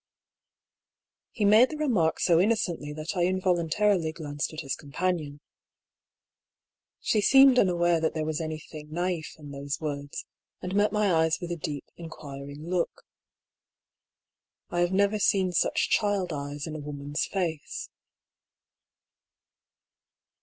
He made the remark so innocently that I involun tarily glanced at his companion. She seemed unaware that there was anything imif in those words, and met my eyes with a deep, enquiring look. I have never seen such child eyes in a woman's face.